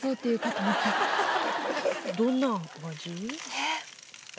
えっ！